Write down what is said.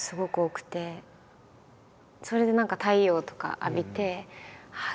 それで何か太陽とか浴びてああ